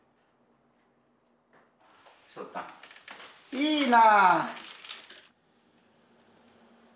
いいな。